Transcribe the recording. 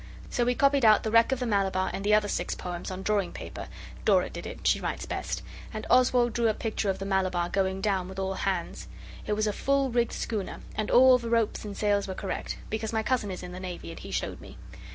So we copied out 'The Wreck of the Malabar' and the other six poems on drawing paper Dora did it, she writes best and Oswald drew a picture of the Malabar going down with all hands. It was a full rigged schooner, and all the ropes and sails were correct; because my cousin is in the Navy, and he showed me.